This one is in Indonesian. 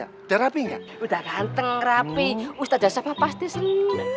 udah ganteng tapi ustadz sapa pasti suka